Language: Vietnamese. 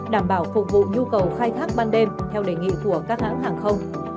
đảm bảo phục vụ nhu cầu khai thác ban đêm theo đề nghị của các hãng hàng không